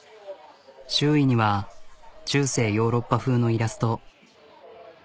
周囲には中世ヨーロッパ風のイラスト。